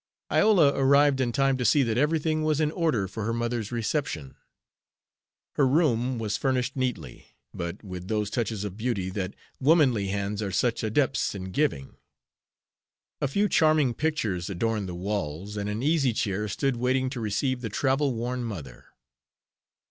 Iola arrived in time to see that everything was in order for her mother's reception. Her room was furnished neatly, but with those touches of beauty that womanly hands are such adepts in giving. A few charming pictures adorned the walls, and an easy chair stood waiting to receive the travel worn mother.